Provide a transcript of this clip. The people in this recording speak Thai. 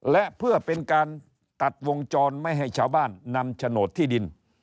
และเพื่อเป็นการตัดวงจรไม่ให้ชาวบ้านนำโฉนดที่ดิน